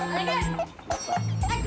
eh gelangnya sini juga tau